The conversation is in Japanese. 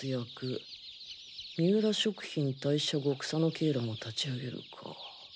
美浦食品退社後草野鶏卵を立ち上げるか。